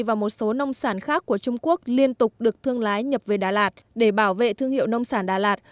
và một số nông sản khác của trung quốc liên tục được thương lái nhập về đà lạt để bảo vệ thương hiệu nông sản đà lạt